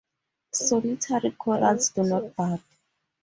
Solitary corals do not bud.